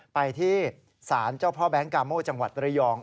ไปที่ศาลเจ้าพ่อแบงค์กาโมจังหวัดระยอง